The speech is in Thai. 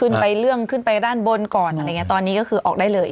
ไปเรื่องขึ้นไปด้านบนก่อนอะไรอย่างนี้ตอนนี้ก็คือออกได้เลย